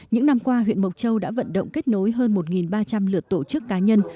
những năm qua huyện mộc châu đã vận động kết nối hơn một ba trăm linh lượt tổ chức cá nhân